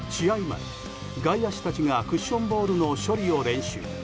前、外野手たちがクッションボールの処理を練習。